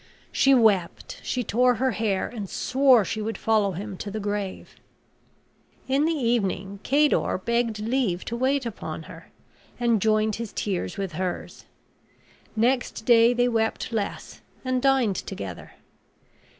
She wept, she tore her hair, and swore she would follow him to the grave. In the evening Cador begged leave to wait upon her, and joined his tears with hers. Next day they wept less, and dined together.